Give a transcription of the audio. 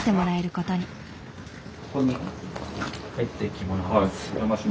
ここに入っていきます。